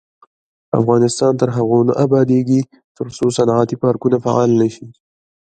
افغانستان تر هغو نه ابادیږي، ترڅو صنعتي پارکونه فعال نشي.